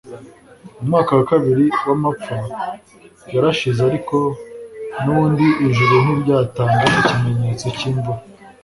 Umwaka wa kabiri wamapfa warashize ariko nubundi ijuru ntiryatanga ikimenyetso cyimvura